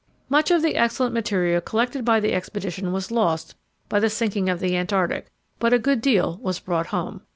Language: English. Much of the excellent material collected by the expedition was lost by the sinking of the Antarctic, but a good deal was brought home.